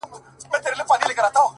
• زه يې د ميني په چل څنگه پوه كړم ـ